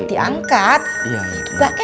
tidak terlalu lagi ya mama ya